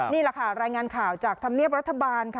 นี่แหละค่ะรายงานข่าวจากธรรมเนียบรัฐบาลค่ะ